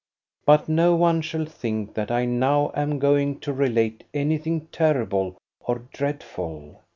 But no one shall think that I now am going to relate anything terrible or dreadful.